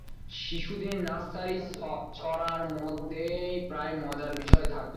শিশুদের নার্সারি ছড়ার মধ্যে প্রায়ই মজার বিষয় থাকে।